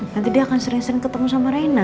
nanti dia akan sering sering ketemu sama reina